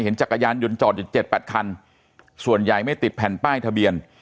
จักรยานยนต์จอดอยู่๗๘คันส่วนใหญ่ไม่ติดแผ่นป้ายทะเบียน